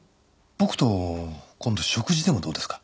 僕と今度食事でもどうですか？